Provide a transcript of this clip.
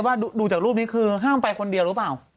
ว่าดูจากรูปนี้คือห้ามไปคนเดียวหรือเปล่า